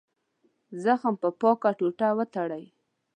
زخم په پاکه ټوټه وتړئ.